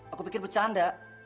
aku pikir bercanda